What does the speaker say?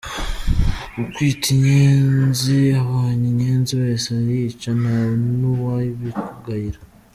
Kukwita inyenzi, ubonye inyenzi wese arayica, nta n’uwabikugayira.